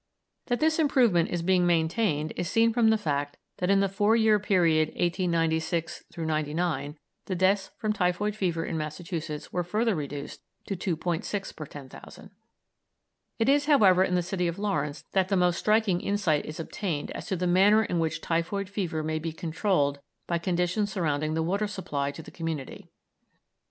That this improvement is being maintained is seen from the fact that in the four year period 1896 99 the deaths from typhoid fever in Massachusetts were further reduced to 2·6 per 10,000. It is, however, in the city of Lawrence that the most striking insight is obtained as to the manner in which typhoid fever may be controlled by conditions surrounding the water supply to the community.